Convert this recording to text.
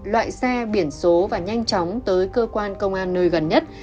loại xe biển số và nhanh chóng tới cơ quan công an nơi gần nhất